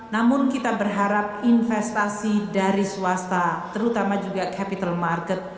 namun kita berharap investasi dari swasta terutama juga capital market